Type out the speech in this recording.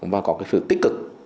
và có cái sự tích cực